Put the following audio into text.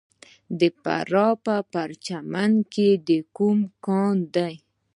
د فراه په پرچمن کې کوم کانونه دي؟